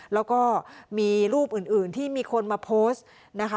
แล้วก็มีรูปอื่นที่มีคนมาโพสต์นะคะ